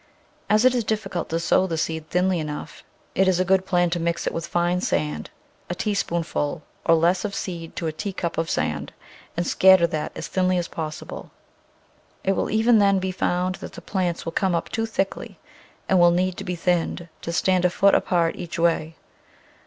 As it is difficult to sow the seed thinly enough it is a good plan to mix it with fine sand — a teaspoonful or less of seed to a teacup of sand — and scatter that as thinly as possible. It will, even then, be found that the plants will come up too thickly and will need to be thinned to stand a foot apart each way.